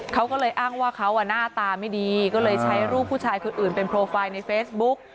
เขาก็เลยอ้างว่าเขาหน้าตาไม่ดีก็เลยใช้รูปผู้ชายคนอื่นเป็นโปรไฟล์ในเฟซบุ๊ก